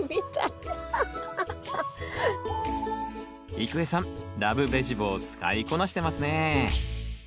郁恵さん「らぶベジボー」使いこなしてますね。